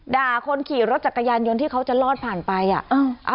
ด่าคนขี่รถจักรยานยนต์ที่เขาจะลอดผ่านไปอ่ะ